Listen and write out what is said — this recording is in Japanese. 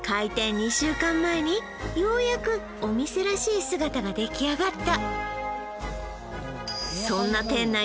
２週間前にようやくお店らしい姿ができあがった